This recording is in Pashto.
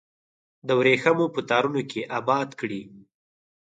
د وریښمو په تارونو کې اباد کړي